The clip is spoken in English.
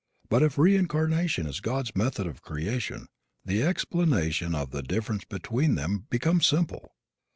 But if reincarnation is God's method of creation the explanation of the difference between them becomes simple.